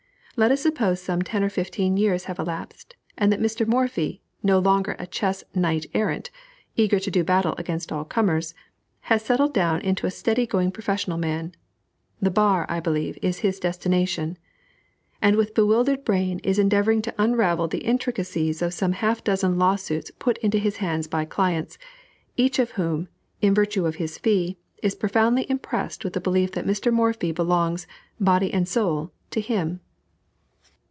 Let us suppose some ten or fifteen years have elapsed, and that Mr. Morphy, no longer a chess knight errant, eager to do battle against all comers, has settled down into a steady going professional man, (the bar, I believe, is his destination,) and with bewildered brain is endeavoring to unravel the intricacies of some half dozen lawsuits put into his hands by clients, each of whom, in virtue of his fee, is profoundly impressed with the belief that Mr. Morphy belongs, body and soul, to him.